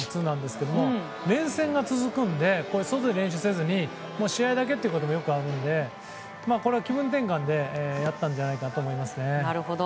連戦が続くんで、外で練習せずに試合だけということもよくあるので気分転換でやったんじゃないかと思いますね。